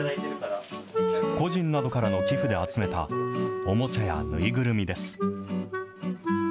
個人などからの寄付で集めた、おもちゃや縫いぐるみです。